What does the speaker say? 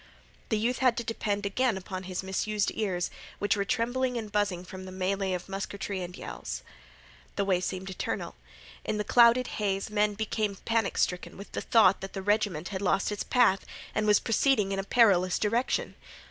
The youth had to depend again upon his misused ears, which were trembling and buzzing from the melée of musketry and yells. The way seemed eternal. In the clouded haze men became panic stricken with the thought that the regiment had lost its path, and was proceeding in a perilous direction.